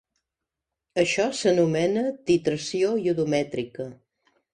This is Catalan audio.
Això s'anomena titració iodomètrica.